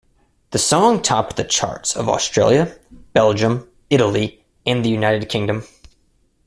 The song topped the charts of Australia, Belgium, Italy and the United Kingdom.